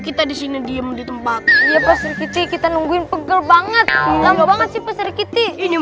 kita disini diem di tempat kita nungguin pegel banget bangan sih ini